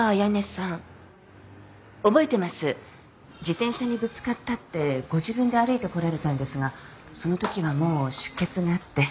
自転車にぶつかったってご自分で歩いてこられたんですがそのときはもう出血があって。